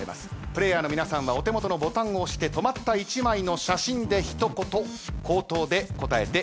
プレーヤーの皆さんはお手元のボタンを押して止まった１枚の写真で一言口頭で答えていただきます。